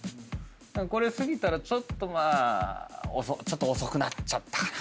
これ過ぎたらちょっとまあ遅くなっちゃったかな。